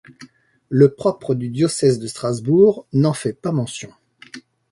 Le propre du diocèse de Strasbourg n’en fait pas mention.